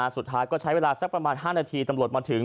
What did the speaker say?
สุดท้ายก็ใช้เวลาสักประมาณ๕นาทีตำรวจมาถึง